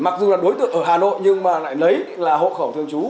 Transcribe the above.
mặc dù là đối tượng ở hà nội nhưng mà lại lấy là hộ khẩu thương chú